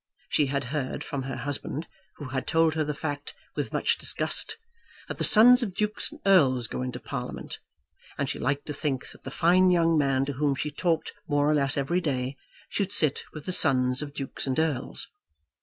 She had heard, from her husband, who had told her the fact with much disgust, that the sons of Dukes and Earls go into Parliament, and she liked to think that the fine young man to whom she talked more or less every day should sit with the sons of Dukes and Earls.